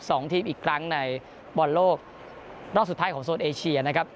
สองทีมอีกครั้งในบอลโลกรอบสุดท้ายของโซนเอเชียนะครับ